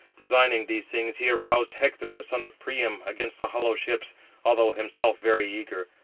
Designing these things, he aroused Hector, the son of Priam, against the hollow ships, although himself very eager.